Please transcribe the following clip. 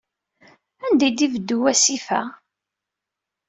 Anda ay d-ibeddu wasif-a?